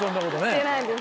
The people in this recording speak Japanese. してないです。